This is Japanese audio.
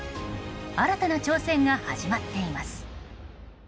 新たな挑戦が始まっています。